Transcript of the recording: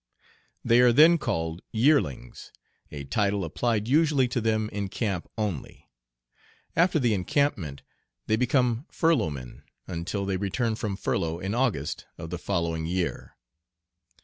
They are then called "yearlings," a title applied usually to them in camp only. After the encampment they become "furloughmen" until they return from furlough in August of the following year.